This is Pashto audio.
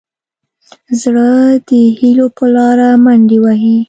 زړه د هيلو په لاره منډې وهي.